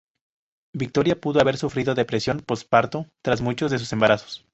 Victoria pudo haber sufrido depresión postparto tras muchos de sus embarazos.